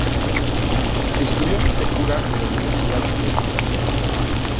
Estudió arquitectura en la Universidad de Dublín.